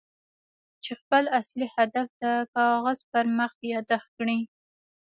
چې خپل اصلي هدف د کاغذ پر مخ ياداښت کړئ.